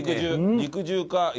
肉汁かよ